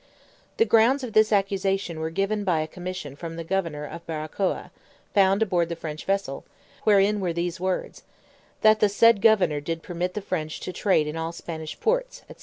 The grounds of this accusation were given by a commission from the governor of Barracoa, found aboard the French vessel, wherein were these words, "that the said governor did permit the French to trade in all Spanish ports," &c.